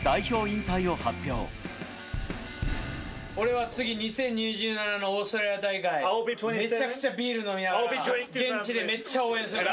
俺は次、２０２７のオーストラリア大会、めちゃくちゃビール飲みながら、うざっ。